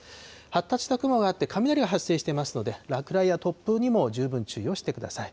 発達した雲があって、雷が発生していますので、落雷や突風にも十分注意をしてください。